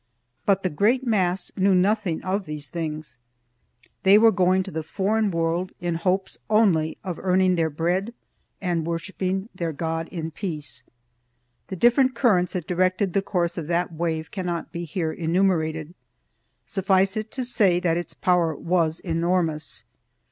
But the great mass knew nothing of these things; they were going to the foreign world in hopes only of earning their bread and worshiping their God in peace. The different currents that directed the course of that wave cannot be here enumerated. Suffice it to say that its power was enormous.